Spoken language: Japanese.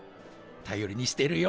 たよりにしてるよ。